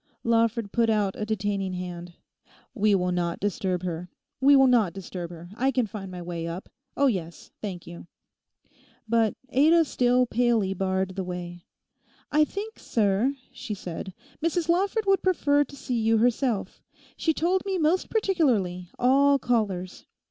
Lawford put out a detaining hand. 'We will not disturb her; we will not disturb her. I can find my way up; oh yes, thank you!' But Ada still palely barred the way. 'I think, sir,' she said, 'Mrs Lawford would prefer to see you herself; she told me most particularly "all callers."